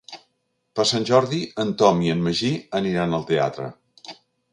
Per Sant Jordi en Tom i en Magí aniran al teatre.